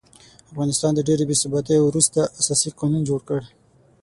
افغانستان د ډېرې بې ثباتۍ وروسته اساسي قانون جوړ کړ.